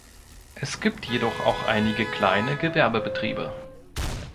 Es gibt jedoch auch einige kleine Gewerbebetriebe.